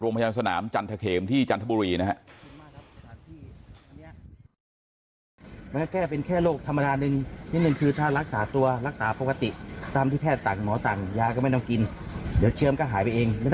โรงพยาบาลสนามจันทะเขมที่จันทบุรีนะฮะ